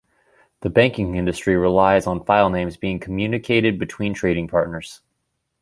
The banking industry relies on filenames being communicated between trading partners.